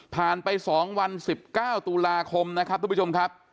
ไป๒วัน๑๙ตุลาคมนะครับทุกผู้ชมครับ